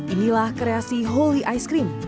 inilah kreasi holy ice cream